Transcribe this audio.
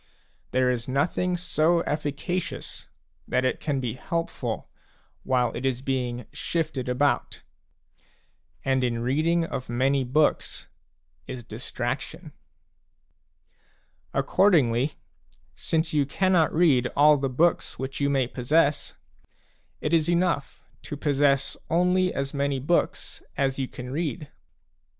There is nothing so efficacious that it can be helpful while it is being shifted about. And in reading of many books is distraction. Accordingly, since you cannot read all the books which you may possess, it is enough to possess only P as many books as you can read.